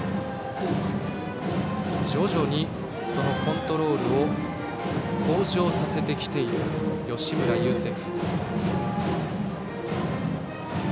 徐々にコントロールを向上させてきている吉村優聖歩。